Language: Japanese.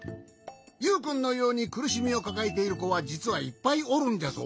ユウくんのようにくるしみをかかえているこはじつはいっぱいおるんじゃぞ。